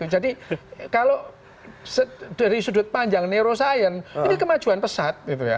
jadi kalau dari sudut panjang neuroscience ini kemajuan pesat gitu ya